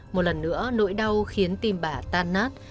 một lần nữa nỗi đau khiến tim bà tan nát